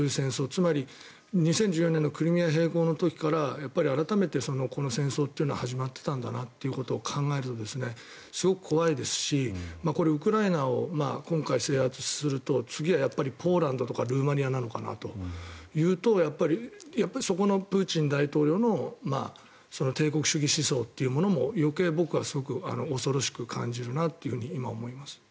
つまり２０１４年のクリミア併合の時から改めてこの戦争っていうのは始まってたんだなというのを考えると、すごく怖いですしこれはウクライナを今回制圧すると次はポーランドとかルーマニアなのかなというとやっぱりそこのプーチン大統領の帝国主義思想というものも余計、僕はすごく恐ろしく感じるなと今、思います。